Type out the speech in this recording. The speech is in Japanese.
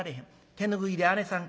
手拭いであねさん